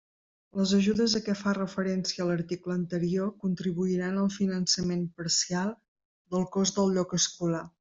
Les ajudes a què fa referència l'article anterior contribuiran al finançament parcial del cost del lloc escolar.